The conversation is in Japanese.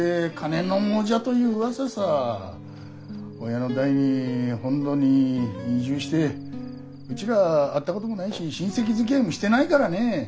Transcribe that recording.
親の代に本土に移住してうちらは会ったこともないし親戚づきあいもしてないからね。